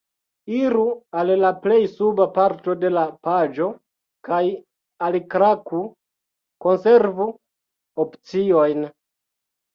Iru al la plej suba parto de la paĝo kaj alklaku "konservu opciojn"